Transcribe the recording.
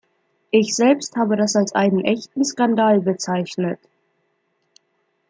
Ich selbst habe das als einen echten Skandal bezeichnet.